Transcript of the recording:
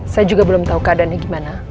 saya juga belum tahu keadaannya gimana